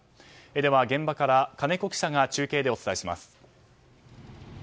では現場からカネコ記者が中継でお伝えします。